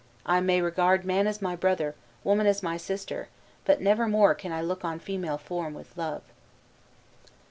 I may regard man as my brother, woman as my sister; but never more can I look on female form with love."